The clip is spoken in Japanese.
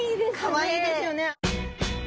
かわいいですよね。